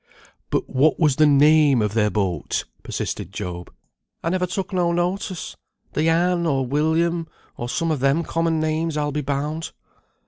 "But what was the name of their boat?" persevered Job. "I never took no notice; the Anne, or William, or some of them common names, I'll be bound."